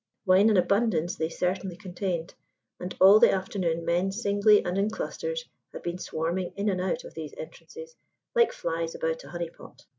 Wine in abundance they certainly contained, and all the afternoon men singly and in clusters had been swarming in and out of these entrances like flies about a honeypot.